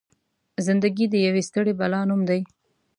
زنده ګي د يوې ستړې بلا نوم دی.